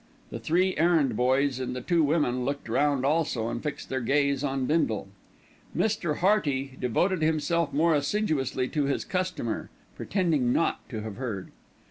The three errand boys and the two women looked round also and fixed their gaze on Bindle. Mr. Hearty devoted himself more assiduously to his customer, pretending not to have heard.